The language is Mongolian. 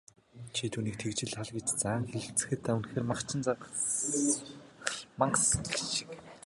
"Чи түүнийг тэгж ал" гэж заан хэлэлцэх нь үнэхээр махчин мангас гэгч шиг.